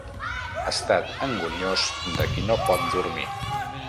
Estat anguniós de qui no pot dormir.